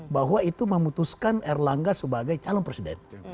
bahwa itu memutuskan erlangga sebagai calon presiden